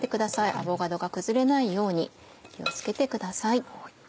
アボカドが崩れないように気を付けてください。